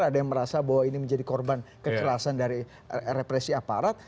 ada yang merasa bahwa ini menjadi korban kekerasan dari represi aparat